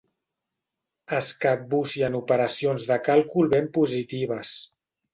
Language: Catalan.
Es capbussi en operacions de càlcul ben positives.